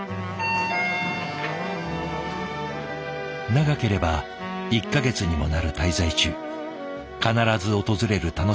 長ければ１か月にもなる滞在中必ず訪れる楽しみな食卓があった。